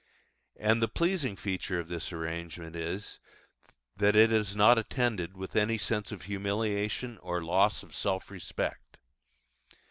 And the pleasing feature of this arrangement is, that it is not attended with any sense of humiliation or loss of self respect.